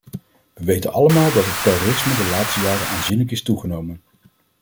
We weten allemaal dat het terrorisme de laatste jaren aanzienlijk is toegenomen.